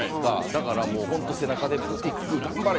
だからもう本当背中で「ブティック頑張れ！